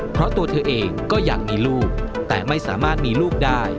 เพราะตัวเธอเองก็อยากมีลูกแต่ไม่สามารถมีลูกได้